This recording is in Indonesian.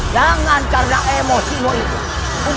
jangan karena emosimu ini